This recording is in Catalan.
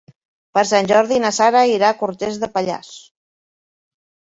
Per Sant Jordi na Sara irà a Cortes de Pallars.